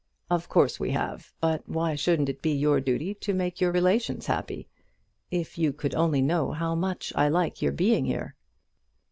"Of course we have; but why shouldn't it be your duty to make your relations happy? If you could only know how much I like your being here?"